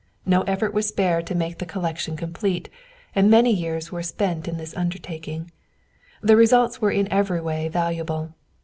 No effort was spared to make the collection complete, and many years were spent in this undertaking. The results were in every way valuable.